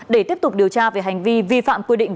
để tiếp tục điều tra về hành vi vi phạm quy định